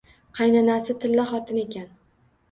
Qaynonasi tilla xotin ekan